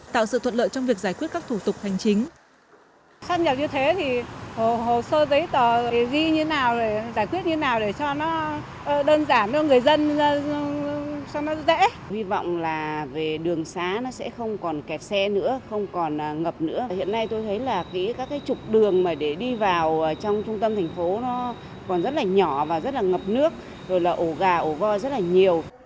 tạo sự thuận lợi trong việc giải quyết các thủ tục hành chính